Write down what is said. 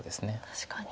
確かに。